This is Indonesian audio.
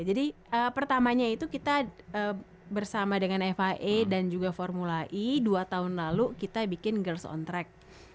jadi pertamanya itu kita bersama dengan fia dan juga formula e dua tahun lalu kita bikin girls on track